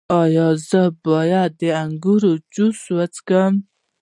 ایا زه باید د انګور جوس وڅښم؟